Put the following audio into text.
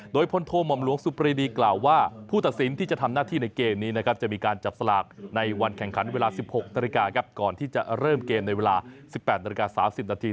โดยพลโทหม่อมหลวงสุปรีดีกล่าวว่าผู้ตัดสินที่จะทำหน้าที่ในเกมนี้นะครับจะมีการจับสลากในวันแข่งขันเวลา๑๖นาฬิกาครับก่อนที่จะเริ่มเกมในเวลา๑๘นาฬิกา๓๐นาที